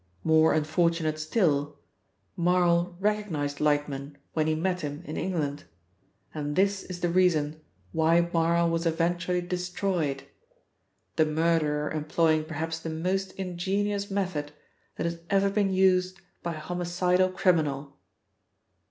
More unfortunate still, Marl recognised Lightman when he met him in England, and this is the reason why Marl was eventually destroyed, the murderer employing perhaps the most ingenious method that has ever been used by a homicidal criminal.